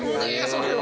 それは。